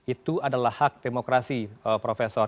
itu adalah hak demokrasi profesor